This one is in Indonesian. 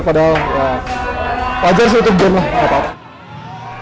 padahal ya wajar sih itu game lah